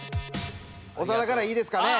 長田からいいですかね？